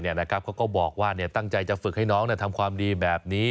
เขาก็บอกว่าตั้งใจจะฝึกให้น้องทำความดีแบบนี้